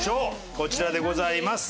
こちらでございます。